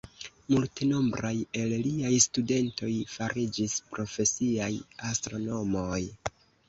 Multenombraj el liaj studentoj fariĝis profesiaj astronomoj.